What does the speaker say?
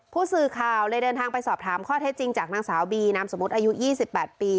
ผู้สื่อข่าวเลยเดินทางไปสอบถามข้อเท็จจริงจากนางสาวบีนามสมมุติอายุ๒๘ปี